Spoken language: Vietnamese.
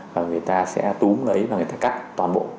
và người ta sẽ túm lấy và người ta cắt toàn bộ